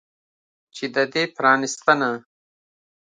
چې د دې پرانستنه